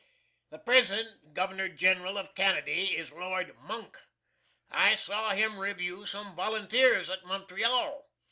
The present Gov'ner Gin'ral of Canady is Lord MONK. I saw him review some volunteers at Montreal.